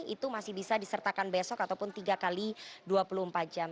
itu masih bisa disertakan besok ataupun tiga x dua puluh empat jam